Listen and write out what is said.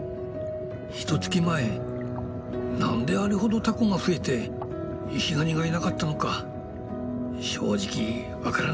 ひとつき前なんであれほどタコが増えてイシガニがいなかったのか正直分からなかった。